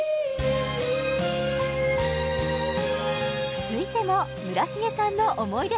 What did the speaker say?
続いても村重さんの思い出